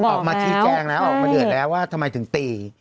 ออกมาชี้แจงแล้วออกมาเดือดแล้วว่าทำไมถึงตี